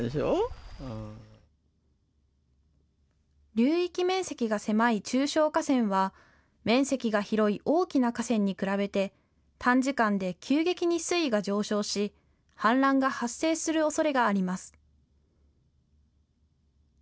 流域面積が狭い中小河川は面積が広い大きな河川に比べて短時間で急激に水位が上昇し氾濫が発生するおそれがあります。